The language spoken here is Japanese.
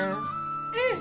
うん。